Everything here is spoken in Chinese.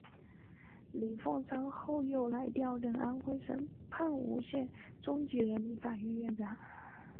李奉三后来又调任安徽省蚌埠市中级人民法院院长。